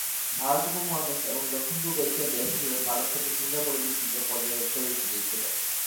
ভারত উপমহাদেশ এবং দক্ষিণ-পূর্ব এশিয়ার দেশ হিসেবে ভারত থেকে সিঙ্গাপুরে বিস্তৃত পর্যায়ে ছড়িয়ে-ছিটিয়ে ছিল।